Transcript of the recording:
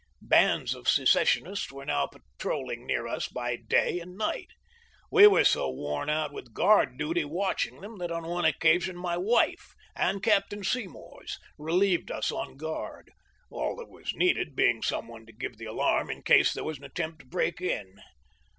Bands of secessionists were now patrolling near us by day and night. We were so worn out with guard duty ŌĆö watching them ŌĆö that on one occasion my wife and Captain Seymour's relieved us on guard, all that was needed being some one to give the alarm in case there was an attempt to break in.